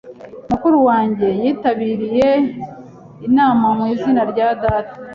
Mukuru wanjye yitabiriye inama mu izina rya data.